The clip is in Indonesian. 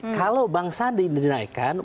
kalau bang sandi dinaikkan